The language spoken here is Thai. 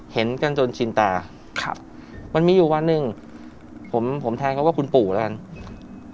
เห็นกันจนชินตาครับมันมีอยู่วันหนึ่งผมผมแทนเขาว่าคุณปู่แล้วกัน